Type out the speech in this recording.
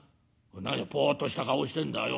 何ぽっとした顔してんだよ。